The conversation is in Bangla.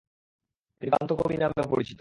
তিনি কান্ত কবি নামেও পরিচিত।